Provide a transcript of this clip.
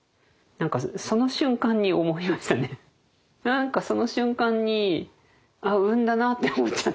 何かその瞬間に「あっ産んだな！」って思っちゃったんですよね。